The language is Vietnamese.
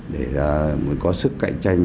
để có sức cạnh tranh